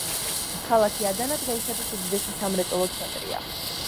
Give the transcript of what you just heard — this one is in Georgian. ქალაქი ადანა დღეისათვის უდიდესი სამრეწველო ცენტრია.